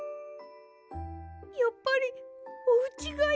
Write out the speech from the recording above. やっぱりおうちがいいです。